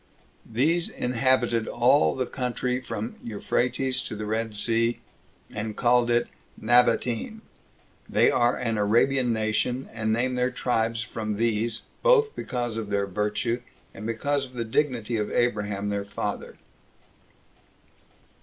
These inhabited all the country from Euphrates to the Red Sea, and called it Nabatene. They are an Arabian nation, and name their tribes from these, both because of their own virtue, and because of the dignity of Abraham their father.